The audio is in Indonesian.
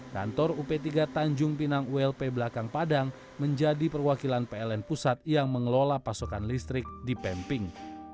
kantor up tiga tanjung pinang ulp belakang padang menjadi perwakilan pln pusat yang mengelola pasokan listrik di pemping